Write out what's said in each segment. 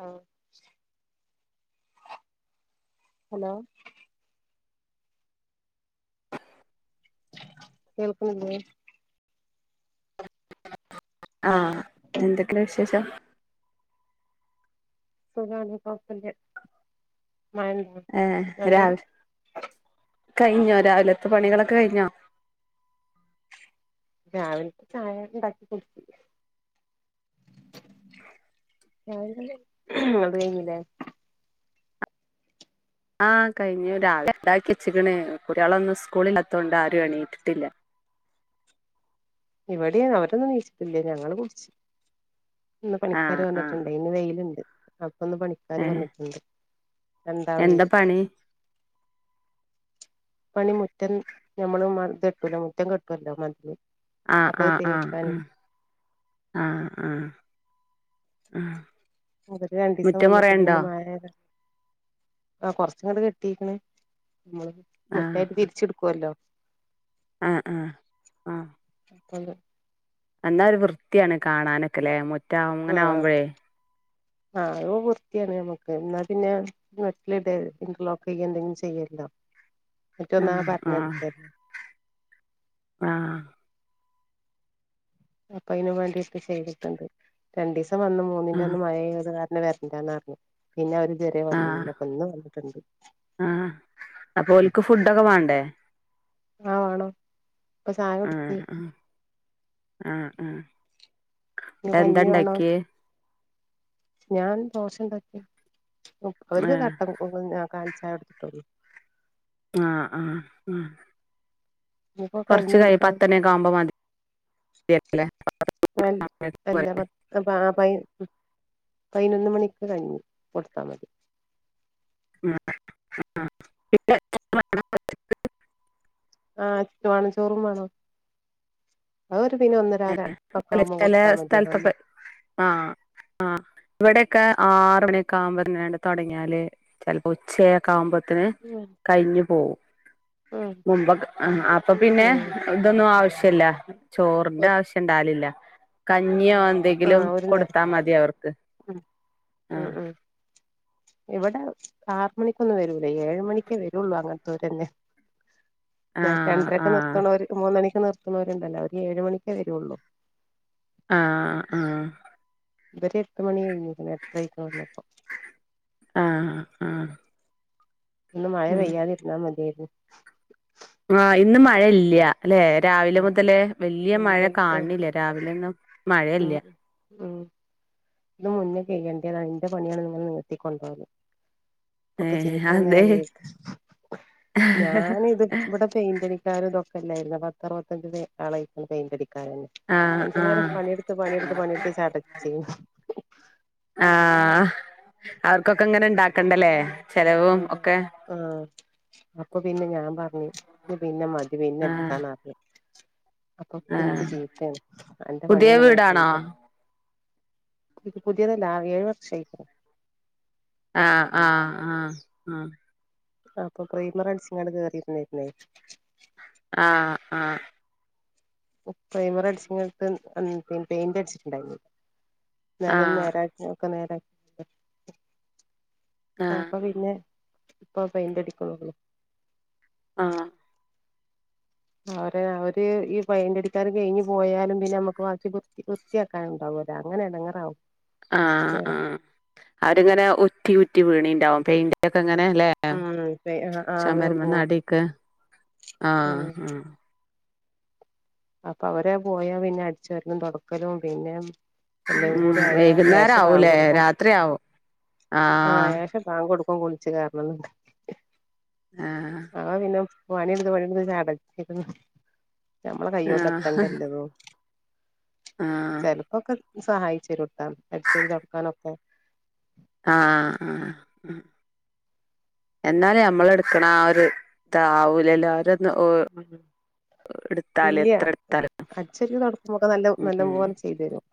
ആഹ്. Hello കേൾക്ക്ണില്ലേ? ആഹ് എന്തൊക്കെ വിശേഷം? സുഖാണ് കൊഴപ്പല്യ മയ ഏ രാവ കയ്ഞ്ഞോ രാവിലത്തെ പണികളൊക്കെ കഴിഞ്ഞോ? രാവിൽത്തെ ചായ ബണ്ടാക്കി കുട്ച്ചി. രാവിലേ അത് കയ്ഞ്ഞ് ലേ. ആഹ് കഴിഞ് രാവിലെ ണ്ടാക്കിച്ച്ക്ക്ണ് കുട്യാളൊന്നും സ്കൂളില്ലാത്തോണ്ട് ആരും എണീറ്റിട്ടില്ല. ഇവടിം അവരൊന്നും നീചിട്ടില്ല ഞങ്ങള് കുട്ച്ച്. ഇന്ന് പണിക്കാര് ആഹ് ആഹ് വന്നിട്ട്ണ്ടെ ഇന്ന് വെയ്ല്‌ണ്ട് അപ്പന്ന് പണി ക്കാര് ഏഹ് വന്ന് ട്‌ണ്ട്. എന്താ പണി? പണി മുറ്റം ഞമ്മള് മത് കെട്ടൊലോ മുറ്റം കെട്ടൊല്ലോ മതില്. ആ അപ്പൊ ആ അത് ആഹ് തേക്കാന് ആഹ് ആഹ് ആഹ്. അവര് രണ്ടീസം മുറ്റം വന്ന്ട്ട് പിന്നെ കൊറേണ്ടോ മഴേത് ആ കൊർച്ങ്ങട് കെട്ടീക്ക്ണ്. മ്മള് ആഹ് മൊതായ്ട്ട് തിര്ച്ച്ട്ക്കോല്ലോ. ആഹ് ആ. [inaudible] എന്നാ ഒര് വൃത്ത്യാണ് കാണാനൊക്കെലെ മു ആഹ് ആഹ് ആ ഒരു വൃത്ത്യാണ് ഞമ്മക്ക് ഇന്നാ പിന്നെ മെറ്റ്ലിടെ ഇന്റർലോക്കെ യ്യെഎന്തെങ്കിലും ചെയ്യല്ലോ മറ്റെ ആഹ് ന്നാർഞ്ഞാ ആഹ് പര്ന്നട്ക്ക ആഹ്. അപ്പൊ അയ്നും വേണ്ടിട്ട് ചെയ്തിട്ണ്ട്. രണ്ടീസം വന്ന് ആഹ് മൂന്നിന്റെന്ന് മഴെയ്തത് കാരണം പിന്നെ വരണ്ടാന്നർഞ്ഞ് പിന്നെ അവര് ഇത്‌വരെ വന്നീല്ല ഇപ്പൊ ഇന്ന് വന്ന്ട്ട്ണ്ട്. ആഹാ അപ്പോൽക്ക് ഫുഡൊക്കെ വാണ്ടേ? ആഹ് വേണം ഇപ്പൊ ചായ കൊടുത്ത് ആഹ് ആഹ്. ആഹ് ആഹ് ഇനി കഞ്ഞി വേണോ എന്താണ്ടാക്ക്യോ? ഞാൻ ദോശണ്ടാക്കി അവര്ക്ക് ഏഹ് കട്ടൻ [unintelligible] കാൽചായ കൊട്ത്ത്ട്ടൊള്ളൂ. ആഹ് ആഹ് ആഹ്. ഇഞ്ഞിപ്പൊ കഞ്ഞികൊട്ക്കണം. പത്തണിയൊക്കെ ആവുമ്പോ മതിയല്ലേ അൽ അല്ല പ ആ പാ പയ് പയ്നൊന്ന് മണിക്ക് കഞ്ഞി കൊടുത്താ മതി. ആഹ് ആഹ് [unintelligible] [unintelligible] ആഹ് വാണം ചോറും വാണോ അവര് പിന്നെ ഒന്ന് ന്നര ഒക്കാവുമ്മോ ചെല കൊട്ത്താ മതിയല്ലോ ഒന്ന് സ്ഥലത്തൊക്കെ ആഹ് ആഹ് ആ ഇവിടെക്കെ ആറ് മണിയൊക്കെ ആവുമ്പോന്നെ തൊട്ങ്ങ്യാല് ചെൽ ഉച്ചേക്കാവുമ്പത്തേന് ഉം കയിഞ്ഞു പോവും ഉം മുമ്പൊക്കെ ആഹ് അപ്പൊ പിന്നെ ഉം ഇതൊന്നും ആവശ്യില്ല ചോറിന്റെ ആവശ്യണ്ടാവലില്ല കഞ്ഞിയോ എന്തെങ്കിലും ആഹ് ഒരു നേരം കൊടുത്താ മതി അവർക്ക് ഉം ഉം ആഹ് ഉം ഇവിടെ ആറ് മണിക്കൊന്നും വരൂലാ. ഏഴ് മണിക്കേ വെരൂളു അങ്ങനത്തോരന്നെ. ര ആഹ് രണ്ടരൊക്കെ ആഹ് നിർത്തണോര് മൂന്നണിക്ക് നിർത്തണോരുണ്ടല്ലോ അവര് ഏഴ് മണിക്കേ വെരൂള്ളു ആഹ് ആഹ് ഇവരെട്ട് മണികയ്ഞ്ഞു. എട്ടരേക്കാവും വന്നപ്പോ ആഹ് ആഹ്. ഇന്ന് മഴ ഉം പെയ്യാതിരുന്നാ മതിയാര്ന്നു. ആഹ് ഇന്ന് മഴയില്ല്യാ ല്ലെ രാവിലെ ഉം മുതല് വല്ല്യ മഴ എന്തേലും ആഹ് കാണ്ണില്ല രാവിലൊന്നും മഴില്ല. ഉം ഉം ഇത് മുന്നേ കെയ്യേണ്ടയാണ് ഇന്റെ പണിയാണ് ഇത്ങ്ങനെ നിർത്തി കൊണ്ടോവല്. ഇപ്പൊക്ക് ഏഹ് ചീത്തങ്ങനെ അതെ കേക്കാ ഞാന് ഇത് ഇബടെ പെയിന്റ്ടിക്കാരെ നോക്കല്ലാര്ന്നോ പത്തറുവത്തഞ്ച് തേ ആളായിക്കണു പെയിന്റടിക്കാരന്നെ. ആഹ് മനുഷ്യന്മാരെ ആഹ് പണിയട്ത്ത് പണിയട്ത്ത് പണിട്ത്ത് ചടച്ച് ആഹ് അവർക്കൊക്കെ ഇങ്ങനെ ഇണ്ടാക്കണ്ടല്ലേ ചെലവും ആഹ് ഒക്കെ ആഹ് അപ്പൊ പിന്നെ ഞാൻ പർഞ്ഞ് ഇനി പിന്നെ മതി പിന്നെ ആഹ് ഇട്ക്കാന്നർഞ്ഞ്. അപ്പൊ ഇൻക്ക് ആഹ് ചീത്താണ് അന്റെ പുതിയ പണിയാണ് ഇങ്ങനെ വീടാണോ കൊണ്ടോവല് ഇത് പുതിയതല്ല ആ ഏഴ് വർഷായി ആഹ് ആഹ് ആഹ് ആഹ്. ആ അപ്പൊ പ്രൈമറടിച്ച്ങ്ങാണ്ട് കേറിര്ന്നാര്ന്നേ. ആഹ് ആഹ്. പ്പോ പ്രൈമർ അടിച്ചിണ്ടാണ്ട് അം പെ പെയിന്റ് അടിച്ചിട്ട്ണ്ടായിന്ന് നിലം ആഹ് നേരാക്കെ നേരാ ആഹ് അപ്പ പിന്നെ ഇപ്പൊ പെന്റ അടിക്കുന്നു ആഹ് അവരെ അവര് ഈ പയിന്റടിക്കാര് കഴിഞ്ഞ് പോയാലും പിന്നെ നമ്മുക്ക് ബാക്കി പോത്തി പൊ വൃത്തിയാക്കാനിണ്ടാവും അങ്ങനെടങ്ങേറാവും ആഹ് ആ അവരിങ്ങനെ ഒറ്റി ഒറ്റി വീണിണ്ടാവും പെയിന്റൊക്കെ ഇങ്ങനെ ല്ലെ ആ ആഹ് പെ ആഹ് ആഹ് ചമരമേന്ന് പോകും ആടിക്ക് ആ ഉം അപ്പൊ അവരെ പോയാ പിന്നെ അടിച്ച് വാരലും തൊടക്കലും പിന്നെ എല്ലോം ഉം കൂടി ആയാ യാശ വൈകുന്നേരം ബാങ് ആവൂലേ കൊടുക്കും രാത്രി ആവും ആഹ് ആയാ പക്ഷെ ബാങ്ക് കൊടുക്കും കുളിച്ച് കേറണം ആഹ് ആ പിന്നെ പണിയെടുത്ത് പണിയെടുത്ത് ചടച്ച് നമ്മളെ കൈകൊണ്ട് ആഹ് എത്തണ്ടേല്ലതും ആഹ് ചെലപ്പൊക്കെ സഹായിച്ചെരൂട്ട അടിച്ച് തൊടാക്കാനൊക്കെ ആഹ് ആ ആ എന്നാലെ നമ്മളെടുക്കണ ആ ഒരു എടുത്താവൂലല്ലോ എല്ലാരൊന്ന് ഉം എടുത്താല് എത്ര എടുത്താലും അടിച്ച് വാരി തുടക്കുമ്പൊക്കെ നല്ല ഉം നല്ലപോലെ ചെയ്തെരും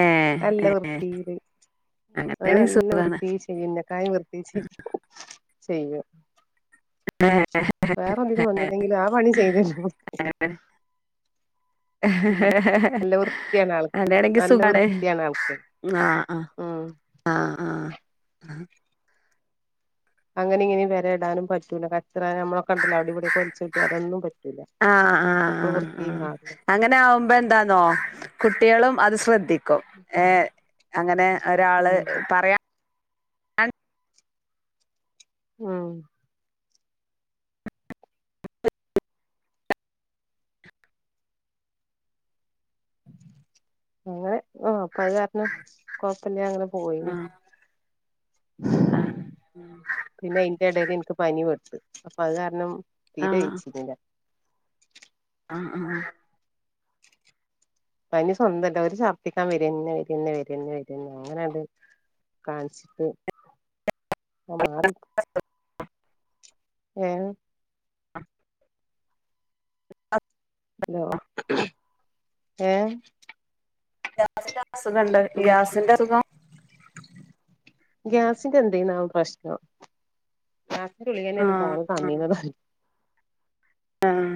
ഏഹ് നല്ല ഏഹ് വൃത്തിയില് അത് അങ്ങനെയാണെങ്കി നല്ല വൃ സുഖാണ് വൃത്തി ചെയ്യും എന്നെക്കായി വൃത്തി ചെയ്യ് ചെയ്യും ഏഹ് വേറൊന്നിലും വന്നില്ലെങ്കിലും ആ പണി ചെയ്തെരും ഉം നല്ല വൃത്തിയാണ് ആൾക്ക് അങ്ങനെയാണെങ്കി നല്ല സുഖാണ് വൃത്തിയാണ് ആൾക്കെ ആഹ് ആഹ് ആഹ് ആഹ് അങ്ങനെ ഇങ്ങനെ വെരെ ഇടാനും പറ്റൂല്ല കച്ചറ ഞമ്മളൊക്കെണ്ടല്ലൊ അവടെ ഇവടെ ക്കെ വലിച്ചൂട്ടി അതൊന്നും പറ്റ് ആഹ് ആഹ് ആഹ് ആഹ് കാണണം അങ്ങനാകുമ്പോ എന്താന്നോ കുട്ട്യാളും അത് ശ്രദ്ധി ക്കും ഏ അങ്ങനെ ഒരാള് ഉം പർ ഉം അങ്ങനെ ആ അപ്പത് കാരണം കൊയപ്പല്ലാങ്ങനെ പോയിനു ആഹ് ആഹ് പിന്നയ്ന്റെടേല് ഇൻക്ക് പനി പെട്ട് അപ്പൊ അത് കാരണം തീരെ വെയ്ച്ചീന്നില്ല ആഹ് ആഹ് ആഹ് പനി സ്വന്തല്ല ഒര് ശർദിക്കാൻ വെരെന്നെ വെരെന്നെ വെരെന്നെ വെരെന്നെ അങ്ങനണ്ട് കാണിച്ചിട്ട് ഇപ്പോ മാറി [inaudible] ഏ [unintelligible] ഹലോ ഏ സുഖണ്ടോ ഗ്യാസിന്റസുഖം ഗ്യാസിന്റെ എന്തെന്നാവോ പ്രശ്നം ആഹ് ആഹ് [unintelligible] ആഹ്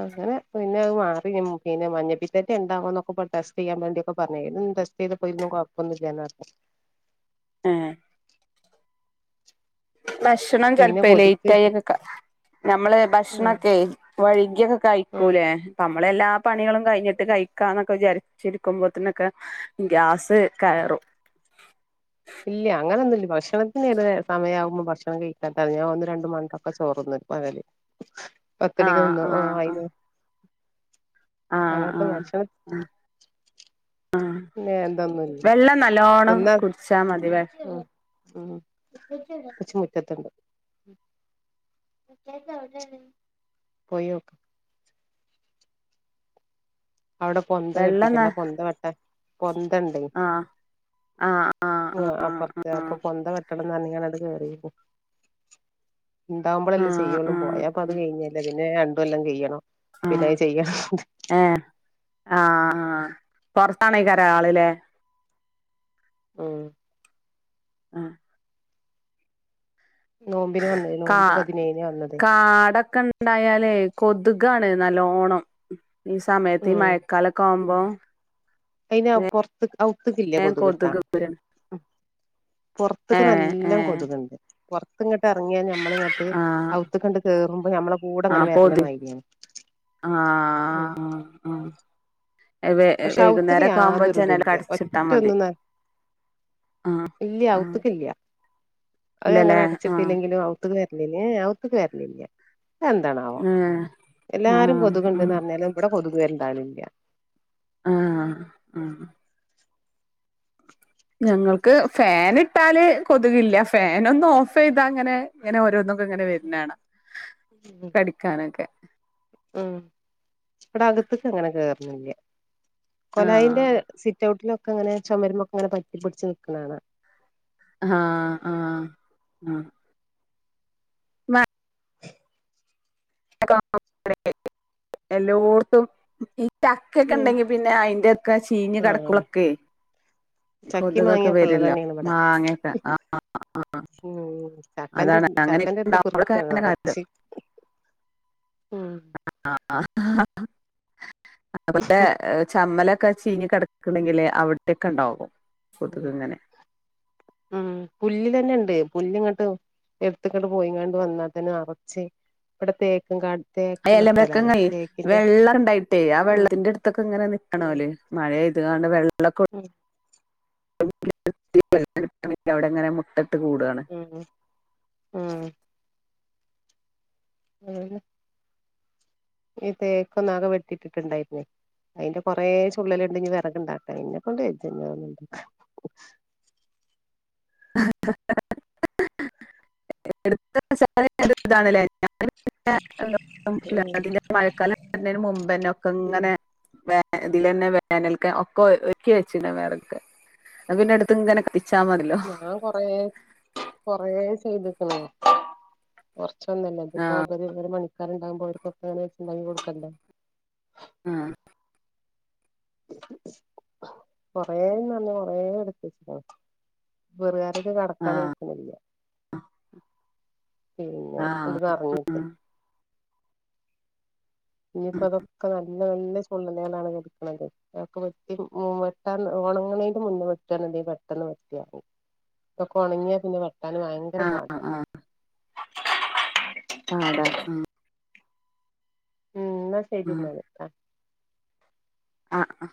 അങ്ങനെ പിന്നത് മാറി ഉം പിന്നെ മഞ്ഞപ്പിത്തേറ്റേണ്ടാവോ ന്നൊക്കെ പർഞ് ടെസ്റ്റ് ചെയ്യാൻ വേണ്ടി ഒക്കെ പർഞ് അയ്ലൊന്നും ടെസ്റ്റെയ്തപ്പൊ അയ്ലൊന്നും കൊഴ് പ്പൊന്നുല്ലാന്ന് പർഞ് ഏഹ് ഭക്ഷണം പിന്നെ ചെൽപ്പെ കൊതിക്ക് ലെയ്റ്റായി ഒക്കെ ക നമ്മള് ഉം ഭക്ഷണൊക്കെ വഴ്കിയൊക്കെ ഉം കഴിക്കൂലേ നമ്മളെല്ലാ പണികളും കഴിഞ്ഞിട്ട് കഴിക്കാന്നൊക്കെ വിചാരിച്ചിരിക്കുമ്പോത്ത്നൊക്കെ ഗ്യാസ് കയറും ഇല്ല അങ്ങനൊന്നുല്ല ഭക്ഷണത്തിന്ടെ സമയാവുമ്പോ ഭക്ഷണം കഴിക്കാത്താള് ഞാൻ ഒന്ന് രണ്ട് മണിക്കൊക്കെ ചോറ്ന്നും പകല് പത്ത്മണിക്ക് ആഹ് തിന്നും ആ ആഹ് അയ്ന്ന് ആഹ് ആഹ് ആഹ് ആഹ് എന്തൊന്നുല്ല വെള്ളം നല്ലോണ്ണം തിന്നാ കുട്ച്ചാ മതി വെ ഉം ഉം പോയോക്ക അവടെ പൊന്ത വെള്ളം ന കെട്ടിക്ക്ണ്ട് അ പൊന്ത വെട്ടാൻ പൊന്തണ്ടേ ആഹ് ആഹ് ആ ആഹ് ആഹ് അപ്പർത്ത് അപ്പൊ പൊന്ത വെട്ടണം ന്ന് പർഞ്ങ്ങാണ്ട് അണ്ട് കേറീര്ന്ന് ണ്ടാവുമ്പളല്ലേ ചെയ്യൊള്ളു ആഹ് പോയാപ്പത് ആഹ് കയ്ഞ്ഞല്ലൊ പിന്നെ രണ്ട് കൊല്ലം കെയ്യണം ആഹ് പിന്നത് ചെയ്യ [unintelligible] ഏഹ് ആഹ് ആഹ് പൊർത്താണേക്കാരം ആള് ലെ ഉം ആഹ് നോമ്പിന് വന്നേ കാ നോമ്പ് പതിനേഴിന് വന്നതേ കാടൊക്കെൺ ണ്ടായാലേ കൊതുകാണ് നല്ലോണം ഈ സമയത്ത് ഈ ഉം മഴക്കാലൊക്കാവുമ്പോ അയ്ന് പൊർത്ത് ഔത്ത്ക്കില്ല കൊതുക് ട്ടോ പുറത്തക്ക് ഏഹ് നല്ല ഏഹ് കൊതുകുണ്ട് പുറത്ത് ഇങ്ങോട്ട് ഇറങ്ങിയ നമ്മൾങ്ങ ട്ട് ആഹ് അത്ത് കണ്ട് കേറുമ്പോ നമ്മള കൂടെ അങ്ങനെ ആഹ് വരണ്ട പൊതി മതിരിയാണ് ആഹ് ആഹ് വെ പക്ഷെ വൈകുന്നേരൊക്കെ ആവുമ്പോ ഔത്തക്കയാതൊരു ജനലൊക്കെ തുല്യ അടച്ചിട്ടാ ഒറ്റ മതി ഒന്നന്ന ആഹ് ഇല്ല ആഹ് ഔത്തക്കില്ല അത് അങ്ങനെ ഇല്ലല്ലേ ആഹ് അടച്ചിട്ടില്ലെങ്കിലുംഔ ത്ത വരലില്ലേ അവത്തക്ക് വരലില്ല എന്താണാവോ ഏഹ് എല്ലാരും ആഹ് കൊതുക്ണ്ട്ന്ന് ആഹ് പറഞ്ഞാലും ഇവിടെ കൊതുക് വരണ്ടളില്ല ആഹ് ആഹ്. ഞങ്ങൾക്ക് ഫൻ ഇട്ടാല് കൊതുകില്ല ഫൻ ഒന്ന് ഓഫ് ചെയ്താ അങ്ങനെ ഇങ്ങനെ ഓരോന്നക്കും ഇങ്ങനെ വരുന്ന കാണാ കടിക്കാനൊക്കെ ഉം ഇവിടെ അകത്തേക്ക അങ്ങനെ കേയറുന്നില്ല കൊലായിന്റെ ആഹ് സിറ്റ് ഔട്ടിലൊക്കെ അങ്ങനെ ചുമരുമൊക്കെ അങ്ങനെ പറ്റി പിടിച്ച് നൽക്കുന്നകാണാം ആഹ് ആഹ് ആഹ് മ എല്ലോടത്തും ചക്ക ഒക്കെ ഉം ഉണ്ടെങ്കി പിന്നെ അയിന്റെ ഒക്കെ ചീഞ്ഞ കടക്കളൊക്കെ. ചക്കി മാങ്ങിയക്കെള്ള തന്നെയാണ് ഇവിടെ മാങ്ങയൊക്കെ ആഹ് ഉം. ചക്കന്റെ അതാണ് അങ്ങനെയൊക്കെ ചക്കന്റെ അടുത്ത് പറുക്ക ഇണ്ടാവുമ്പളൊക്കെ അങ്ങനെ നിറച്ച കാട്ടും ഉം ആഹ് ആഹ് അതുപോലെ ചമ്മല ക്കെ ചീഞ്ഞ് കടക്കണെങ്കില് അവിടൊക്കെ ഉണ്ടാകും ഉ പുല്ല് തന്നെ ഉണ്ട് പുല്ല ഇങ്ങോട്ട് എടുത്തക്കണ്ട് പോയിങ്ങണ്ട് വന്നതിനെ അറച്ച് ഇവിടെ തേക്കും കാട് അല്ല മെക്ക കയും വെള്ളംണ്ടായിട്ടേ ആ ഉം വെള്ളത്തിന്റെ അടുത്തൊക്കെ ഇങ്ങനെ ഉം നക്കണല്ലേ മഴയതണ്ട് വെള്ള ഉം അവിടെങ്ങനെ മുട്ടിട്ട് കൂടുകയാണ് ഉംഉം അത് പിന്നെ ഇ തേക്കൊന്നാകെ വെട്ടിട്ടിട്ടുണ്ടായിരുന്നേ അതിന്റെ കുറെ ചുള്ളല ഉണ്ടെങ്ക വിറകുണ്ടാക്കാ എന്നെ കൊണ്ട് കഴിയത്തൊ ആ ആ [inaudible] [unintelligible] മഴക്കാലം വരുന്നേന് മുമ്പെന്നെ ഒക്കെ ഇങ്ങനെ. വേ ഇതിലന്നെ വേനൽക്കെ ഒക്കെ ഒര്ക്കി വെച്ചന വേറെട്ത്. അ പിന്നെ എടുത്ത്ങ്ങന കഴി ഞാൻ കൊറേ കൊറേ ചെയ്തക്കണ. കൊറച്ചൊന്നുല്ല ഇതിപ്പോ ആഹ് ഒരു പണിക്കാർണ്ടാമ്പോ അവർക്കൊക്കെന്ന് വെച്ചുണ്ടാക്കി കൊടുക്കണ്ടെ ആഹ് കൊറേ ന്നാന്ന്കൊറെ എടുത്ത് വെച്ചെക്കുന്നു വെറുകുവരെക്ക് കടക്കാൻ ആഹ് കയ്യണില്ല പിന്നെ അത് ആഹ് നറഞ്ഞിട്ട് ഇനിയിപ്പോ ആഹ് അതൊക്കെ നല്ല നല്ല [unintelligible] എടുക്കണെങ്കി അതൊക്കെ വെട്ടി ഓണങ്ങണെന് മുൻപ് വെട്ടുകാന്ന് ഉണ്ടെങ്കിൽ പെട്ടന്ന് വൃത്തിയാകും ഇതൊകെ ഉണങ്ങിയാൽ പിന്നെ വെട്ടാന് ഭയങ്കര പാട ആഹ് ആഹ് പാടാ ആഹ് ഉം എന്നാ ശെരി ആഹ് എന്നാല് ആഹ് ആഹ് ആഹ്